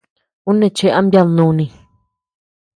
Uu neé cheʼe ama yadnuni.